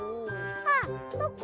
あっそっか。